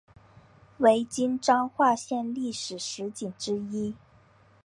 为今彰化县历史十景之一。